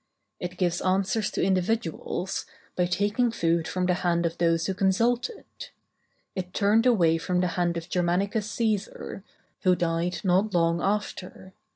It gives answers to individuals, by taking food from the hand of those who consult it. It turned away from the hand of Germanicus Cæsar, who died not long after.